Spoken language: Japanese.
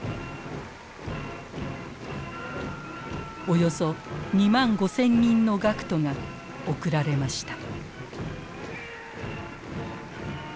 およそ２万５，０００人の学徒が送られました。